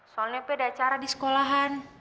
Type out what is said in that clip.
soalnya pe ada acara di sekolahan